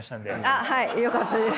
あっはいよかったです。